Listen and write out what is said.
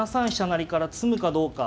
成から詰むかどうか。